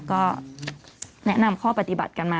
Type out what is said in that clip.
ก็แนะนำข้อปฏิบัติกันมา